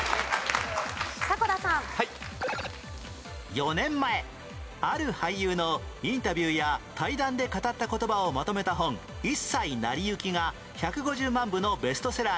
４年前ある俳優のインタビューや対談で語った言葉をまとめた本『一切なりゆき』が１５０万部のベストセラーに